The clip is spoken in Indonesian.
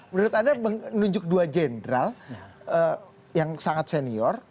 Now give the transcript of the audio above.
menurut anda menunjuk dua jenderal yang sangat senior